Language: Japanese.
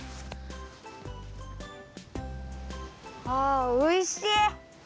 あおいしい。